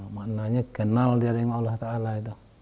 maknanya kenal dia dengan allah ta'ala itu